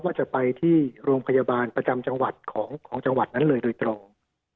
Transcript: ว่าจะไปที่โรงพยาบาลประจำจังหวัดของจังหวัดนั้นเลยโดยตรง